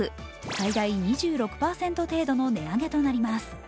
最大２６％程度の値上げとなります。